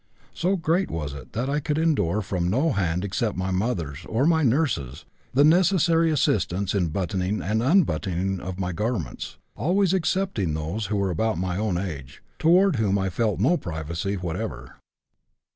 So great was it that I could endure from no hand except my mother's or my nurse's the necessary assistance in the buttoning and unbuttoning of my garments, always excepting those who were about my own age, toward whom I felt no privacy whatever.